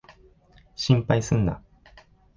心配すんな。